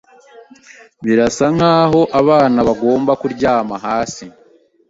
Birasa nkaho abana bagomba kuryama hasi